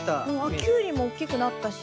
キュウリも大きくなったし。